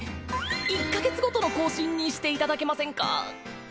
１カ月ごとの更新にしていただけませんか？